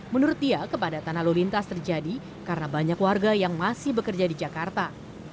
menurut dia kepadatan lalu lintas terjadi karena banyak warga yang masih bekerja di jakarta